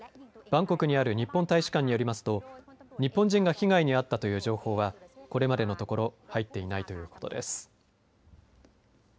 バンコクにある日本大使館によりますと日本人が被害に遭ったという情報はこれまでのところ入っていないということです。